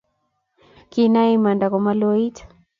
Kinae imanda komaloit